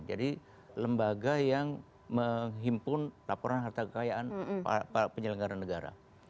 jadi lembaga yang menghimpun laporan harta kekayaan penyelenggara negara